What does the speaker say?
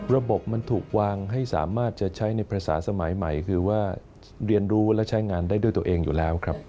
ระบบมันถูกวางให้สามารถจะใช้ในภาษาสมัยใหม่คือว่าเรียนรู้และใช้งานได้ด้วยตัวเองอยู่แล้วครับ